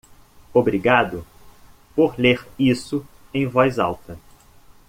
Obrigado por ler isso em voz alta.